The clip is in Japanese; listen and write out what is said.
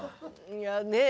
いやねえ？